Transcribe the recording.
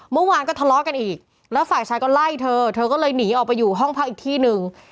เมื่อวานก็ทะเลาะกันอีกแล้วฝ่ายชายก็ไล่เธอเธอก็เลยหนีออกไปอยู่ห้องพักอีกที่หนึ่ง